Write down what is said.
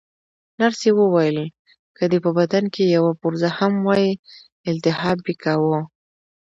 نرسې وویل: که دې په بدن کې یوه پرزه هم وای، التهاب یې کاوه.